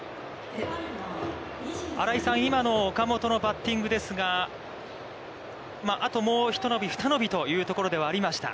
新井さん、今の岡本のバッティングですが、あともう一伸び二伸びというところではありました。